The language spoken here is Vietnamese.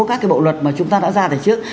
các cái bộ luật mà chúng ta đã ra từ trước